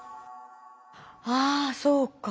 あそうか。